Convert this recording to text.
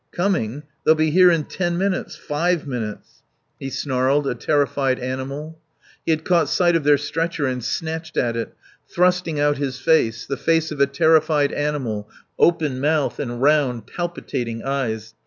"Coming? They'll be here in ten minutes five minutes." He snarled, a terrified animal. He had caught sight of their stretcher and snatched at it, thrusting out his face, the face of a terrified animal, open mouth, and round, palpitating eyes.